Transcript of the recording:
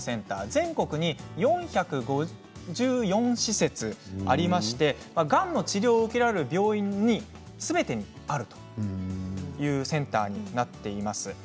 全国に４５４施設ありましてがんの治療を受けられる病院すべてにあるというセンターになっています。